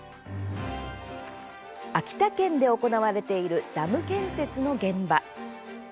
秋田県で行われているダム建設の現場。